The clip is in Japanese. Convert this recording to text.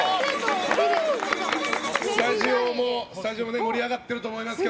スタジオも盛り上がっていると思いますが。